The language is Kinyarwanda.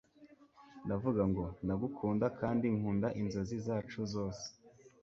ndavuga ngo ndagukunda kandi nkunda inzozi zacu zose